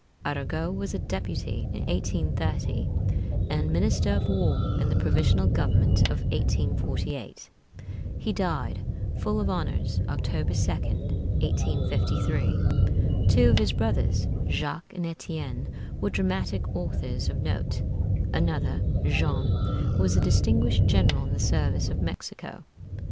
Arago was a Deputy in 1830, and Minister of War in the Provisional Government of 1848. He died full of honors, October 2d, 1853. Two of his brothers, Jacques and Étienne, were dramatic authors of note. Another, Jean, was a distinguished general in the service of Mexico.